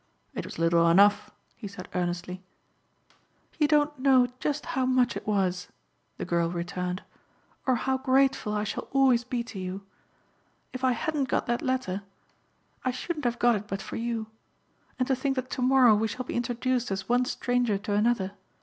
"It was little enough," he said earnestly. "You don't know just how much it was," the girl returned, "or how grateful I shall always be to you. If I hadn't got that letter! I shouldn't have got it but for you. And to think that tomorrow we shall be introduced as one stranger to another.